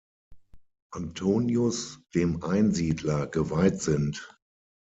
Antonius "dem Einsiedler" geweiht sind.